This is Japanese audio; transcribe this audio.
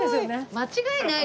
間違いない。